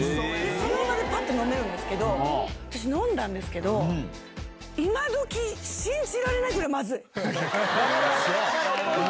その場で飲めるんです私飲んだんですけどいまどき信じられないぐらい。